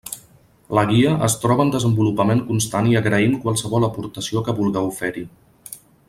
La guia es troba en desenvolupament constant i agraïm qualsevol aportació que vulgueu fer-hi.